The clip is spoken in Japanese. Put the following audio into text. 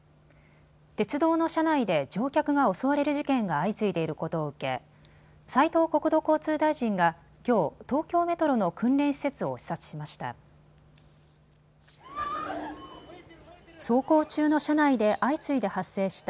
鉄道の車内で乗客が襲われる事件が相次いでいることを受け斉藤国土交通大臣がきょう東京メトロの訓練施設を視察しました。